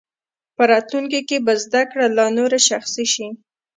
په راتلونکي کې به زده کړه لا نوره شخصي شي.